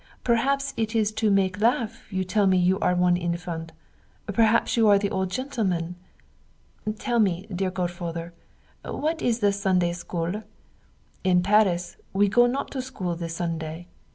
Perhaps it is to make laugh you tell me you are one infant. Perhaps you are the old gentleman. Tell me dear godfather, what is it the Sunday school? In Paris we go not to school the Sunday.